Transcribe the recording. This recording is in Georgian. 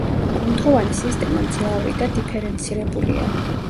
კუნთოვანი სისტემა მძლავრი და დიფერენცირებულია.